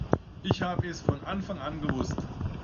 Ich habe es von Anfang an gewusst!